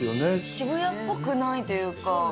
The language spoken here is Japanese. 渋谷っぽくないというか。